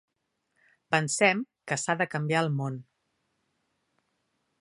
Pensem que s'ha de canviar el món.